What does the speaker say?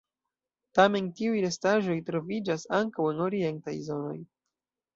Tamen tiuj restaĵoj troviĝas ankaŭ en orientaj zonoj.